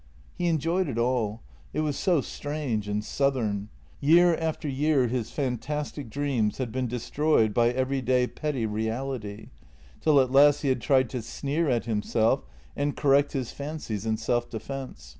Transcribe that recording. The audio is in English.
He enjoyed it all — it was so strange and southern. Year after year his fantastic dreams had been destroyed by everyday petty reality, till at last he had tried to sneer at himself and correct his fancies in self defence.